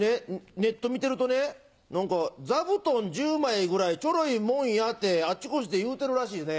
ネット見てるとね何か座布団１０枚ぐらいちょろいもんやてあっちこっちで言うてるらしいですね。